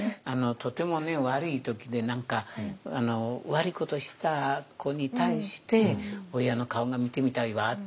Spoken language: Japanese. とてもね悪い時で何か悪いことをした子に対して「親の顔が見てみたいわ」と。